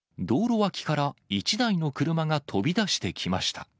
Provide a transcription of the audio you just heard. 道路脇から１台の車が飛び出してきました。